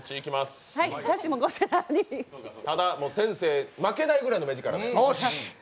先生に負けないぐらいの目力で。